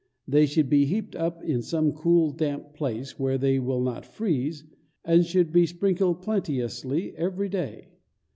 They should be heaped up in some cool, damp place, where they will not freeze, and should be sprinkled plenteously every day.